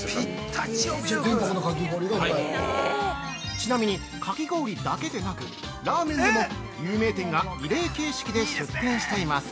◆ちなみに、かき氷だけでなくラーメンでも有名店がリレー形式で出店しています。